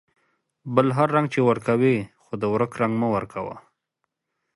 بل هر رنگ چې ورکوې ، خو د ورک رنگ مه ورکوه.